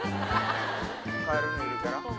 カエルのゆるキャラ？